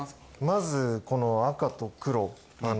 まずこの赤と黒。